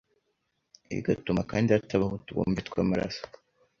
igatuma kandi hatabaho utubumbe tw’amaraso